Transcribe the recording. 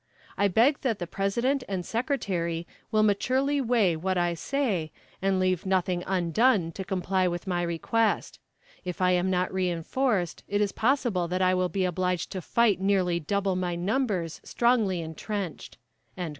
I beg that the President and Secretary will maturely weigh what I say, and leave nothing undone to comply with my request. If I am not reinforced it is probable that I will be obliged to fight nearly double my numbers strongly entrenched."